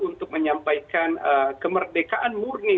untuk menyampaikan kemerdekaan murni